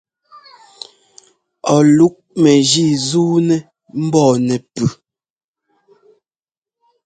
Ɔ lúk mɛgǐ zuunɛ mbɔɔ nɛ́pʉ́.